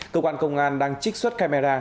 cơ quan công an đang trích xuất camera